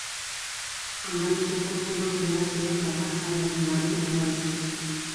Andaluziako Futbol Federazioak dauka talde honen ardura Andaluzian.